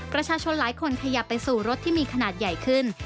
ประชาชนหลายคนขยับไปสู่รถที่มีขนาดใหญ่ขึ้น